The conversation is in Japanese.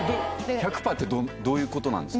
１００パーってどういうことなんですか？